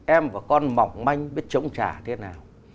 em và con mỏng manh biết chống trả thế nào